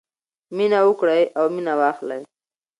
مینه ورکړئ او مینه واخلئ.